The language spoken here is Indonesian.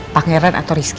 pangeran atau rizky